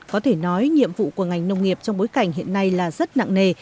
có thể nói nhiệm vụ của ngành nông nghiệp trong bối cảnh hiện nay là rất nặng nề